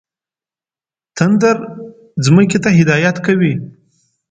تندر ځمکې ته هدایت کوي.